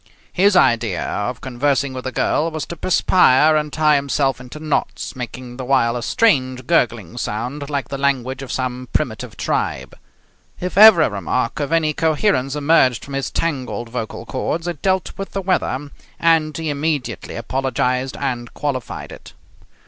His idea of conversing with a girl was to perspire and tie himself into knots, making the while a strange gurgling sound like the language of some primitive tribe. If ever a remark of any coherence emerged from his tangled vocal cords it dealt with the weather, and he immediately apologized and qualified it.